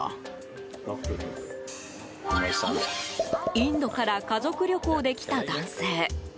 インドから家族旅行で来た男性。